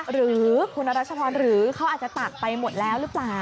หรือคุณรัชพรหรือเขาอาจจะตักไปหมดแล้วหรือเปล่า